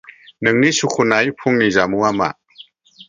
नोंनि सुखुनाय फुंनि जामुवा मा?